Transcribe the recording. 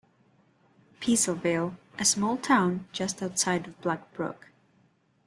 Peasleville: A small town just outside of Black Brook.